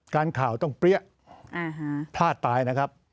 ข่าวต้องเปรี้ยพลาดตายนะครับ